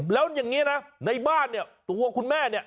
แล้วอย่างนี้นะในบ้านเนี่ยตัวคุณแม่เนี่ย